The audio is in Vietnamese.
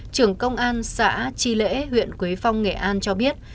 trưởng công an xã tri lễ huyện quế phong nghệ an cho biết